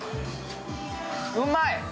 うまい！